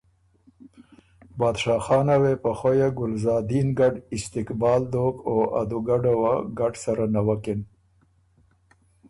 بادشاه خان وې په خویه ګلزادین ګډ استقبال دوک او ا دُوګډه وه ګډ سره نوکِن